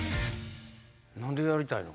何でやりたいの？